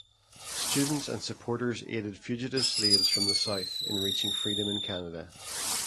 Students and supporters aided fugitive slaves from the South in reaching freedom in Canada.